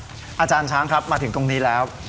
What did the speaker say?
อาจารย์ช้างครับมาถึงตรงนี้แล้ว